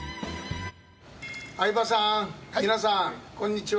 相葉さん皆さんこんにちは。